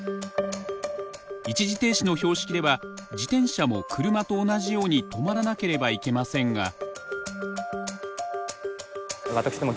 一時停止の標識では自転車も車と同じように止まらなければいけませんが。